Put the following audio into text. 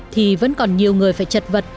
thì vẫn còn nhiều người phải chật vật